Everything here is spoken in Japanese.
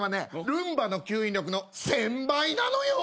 ルンバの吸引力の１，０００倍なのよ。